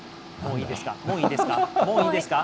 もういいですか？